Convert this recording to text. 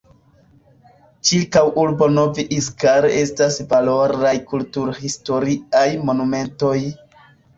Ĉirkaŭ urbo Novi Iskar estas valoraj kulturhistoriaj monumentoj.